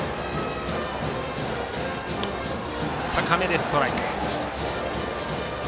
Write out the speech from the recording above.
高めでストライク。